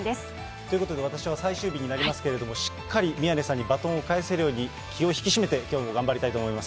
ということで私は最終日になりますけれども、しっかり宮根さんにバトンを返せるように、気を引き締めて、きょうも頑張りたいと思います。